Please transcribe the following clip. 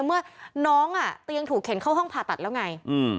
เมื่อน้องอ่ะเตียงถูกเข็นเข้าห้องผ่าตัดแล้วไง